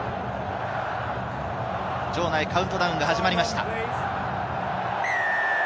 場内はカウントダウンが始まりました。